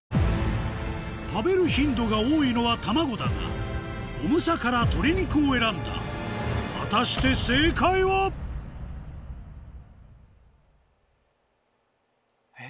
食べる頻度が多いのは卵だが重さからとり肉を選んだ果たして正解は？えっ？